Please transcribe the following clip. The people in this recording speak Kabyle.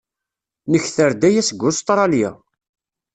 Nekter-d aya seg Ustṛalya.